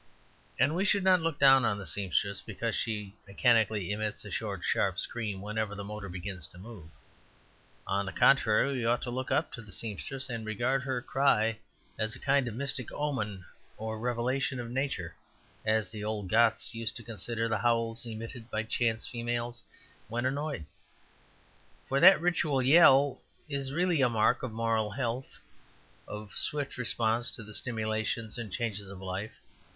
And we should not look down on the seamstress because she mechanically emits a short sharp scream whenever the motor begins to move. On the contrary, we ought to look up to the seamstress, and regard her cry as a kind of mystic omen or revelation of nature, as the old Goths used to consider the howls emitted by chance females when annoyed. For that ritual yell is really a mark of moral health of swift response to the stimulations and changes of life.